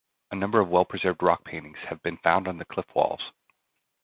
A number of well-preserved rock-paintings have been found on the cliff walls.